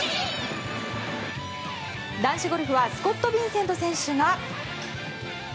男子ゴルフはスコット・ビンセント選手が。